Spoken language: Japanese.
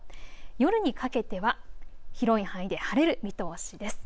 夜にかけては広い範囲で晴れる見通しです。